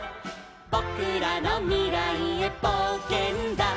「ぼくらのみらいへぼうけんだ」